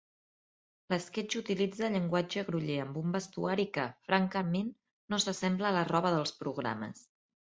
L'esquetx utilitza llenguatge groller, amb un vestuari que, francament, no s'assembla a la roba dels programes.